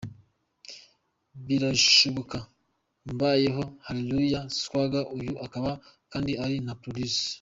birashoboka, Mbayeho, Haleluya swaga uyu akaba kandi ari na Producer.